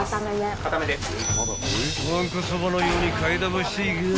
［わんこそばのように替玉していかぁ］